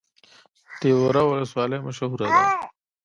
تیوره ولسوالۍ مشهوره ده؟